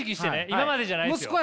今までじゃないですよ。